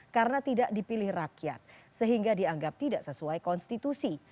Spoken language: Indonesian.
karena tidak dipilih rakyat sehingga dianggap tidak sesuai konstitusi